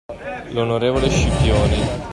L’onorevole Scipioni.